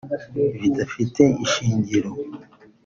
bidafite ishingiro